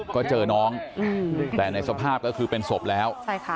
ก็เจอน้องแต่ในสภาพก็คือเป็นศพแล้ว